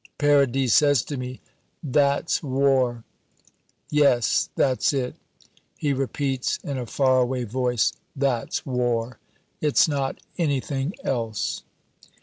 Paradis says to me, "That's war." "Yes, that's it," he repeats in a far away voice, "that's war. It's not anything else."